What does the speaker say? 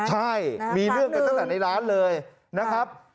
ใช่มีเรื่องกันตั้งแต่ในร้านเลยนะครับ